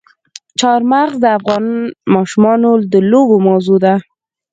چار مغز د افغان ماشومانو د لوبو موضوع ده.